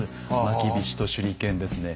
まきびしと手裏剣ですね。